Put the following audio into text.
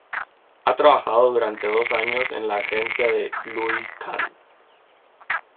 Ha trabajado durante dos años en la agencia de Louis Kahn.